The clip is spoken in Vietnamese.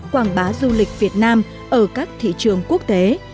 quảng bá du lịch việt nam ở các thị trường quốc tế